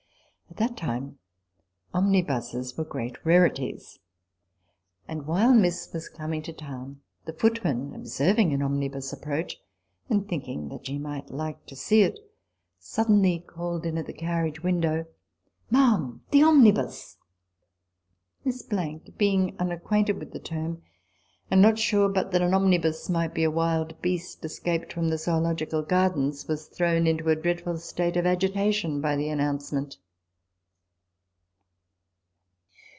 At that time omnibuses were great rarities ; and while Miss was coming to town, the footman, observing an omni bus approach, and thinking that she might like to see it, suddenly called in at the carriage window, " Ma'am, the omnibus !" Miss , being un acquainted with the term, and not sure but an omnibus might be a wild beast escaped from the Zoological Gardens, was thrown into a dreadful state of agitation by the announcement.